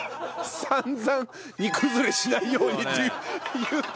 散々煮崩れしないようにって言ってて。